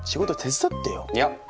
いや！